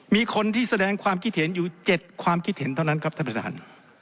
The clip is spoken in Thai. มีคนที่แสดงความคิดเห็นอยู่๗ความคิดเห็นเท่านั้นครับท่านประธาน